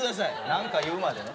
なんか言うまでね。